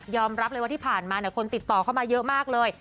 รับเลยว่าที่ผ่านมาคนติดต่อเข้ามาเยอะมากเลย